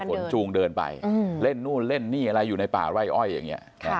จูงเดินไปเล่นนู่นเล่นนี่อะไรอยู่ในป่าไร่อ้อยอย่างนี้